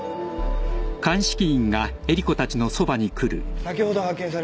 先ほど発見されました。